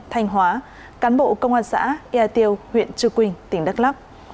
thanh hóa cán bộ công an xã ea tiêu huyện trư quynh tỉnh đắk lắc